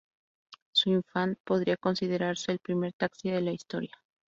Su "Infant" podría considerarse el primer taxi de la historia.